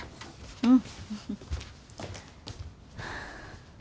うん。